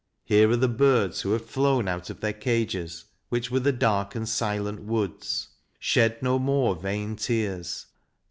Here are the birds who have flown out of their cages, which were the dark and silent woods. Shed PAUL FORT 263 no more vain tears.